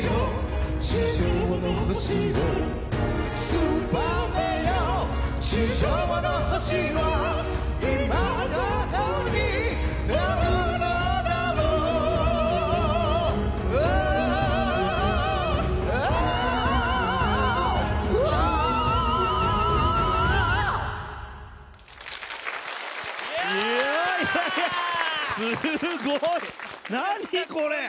すごい、何これ。